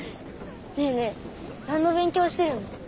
ねえねえ何の勉強してるの？